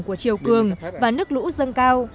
của triều cường và nước lũ dân cao